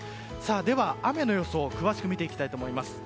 では、雨の予想詳しく見ていきたいと思います。